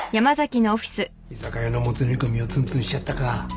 居酒屋のもつ煮込みをツンツンしちゃったか。